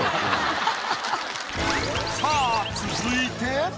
さぁ続いて。